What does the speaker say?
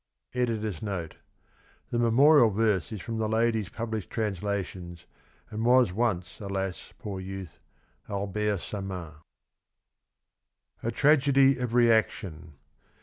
(Editor's Note. — The memorial verse is from the lady's pubhshed translations, and was once, alas, poor youth, Albert Samain.) 114 A TRAGEDY OF REACTION.